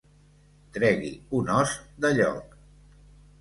Tregui un os de lloc.